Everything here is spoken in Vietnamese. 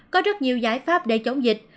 có rất nhiều giải pháp để chống dịch